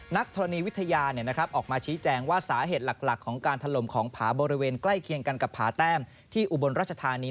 ธรณีวิทยาออกมาชี้แจงว่าสาเหตุหลักของการถล่มของผาบริเวณใกล้เคียงกันกับผาแต้มที่อุบลรัชธานี